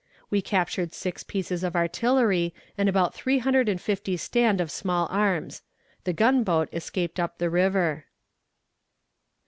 We captured six pieces of artillery and about three hundred and fifty stand of small arms. The gunboat escaped up the river.